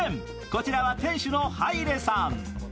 こちらは店主のハイレさん。